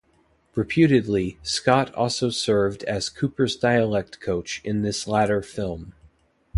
Reputedly, Scott also served as Cooper's dialect coach in this latter film.